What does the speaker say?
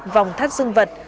vòng thắt dương vật